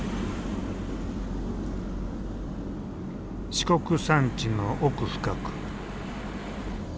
四国山地の奥深く。